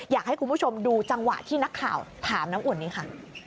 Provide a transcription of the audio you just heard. อยากให้คุณผู้ชมดูจังหวะที่นักข่าวถามน้ำอุ่นนี้ค่ะ